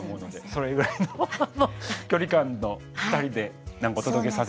それぐらいの距離感の２人でお届けさせて頂いてるんですけども。